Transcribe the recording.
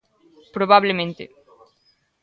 Probablemente.